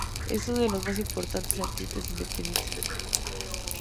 Es uno de los más importantes artistas independientes del mundo.